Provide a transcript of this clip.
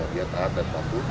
dia taat dan bantu